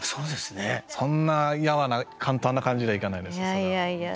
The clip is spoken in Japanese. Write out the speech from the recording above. そんなやわな簡単な感じではいかないですそれは。